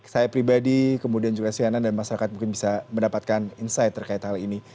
saya pribadi kemudian juga cnn dan masyarakat mungkin bisa mendapatkan insight terkait hal ini